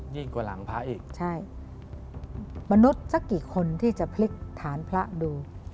กว่าหลังพระอีกใช่มนุษย์สักกี่คนที่จะพลิกฐานพระดู